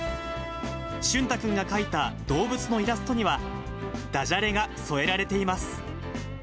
俊太君が描いた動物のイラストには、ダジャレが添えられています。